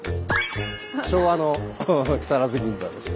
昭和の木更津銀座です。